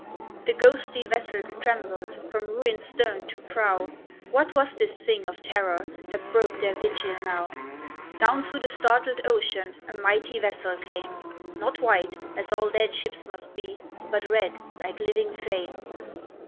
The ghostly vessels trembled From ruined stern to prow; What was this thing of terror That broke their vigil now? Down through the startled ocean A mighty vessel came, Not white, as all dead ships must be, But red, like living flame!